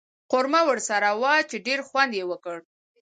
قورمه ورسره وه چې ډېر خوند یې وکړ.